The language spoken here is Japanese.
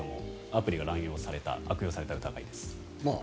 アプリが乱用、悪用された疑いです。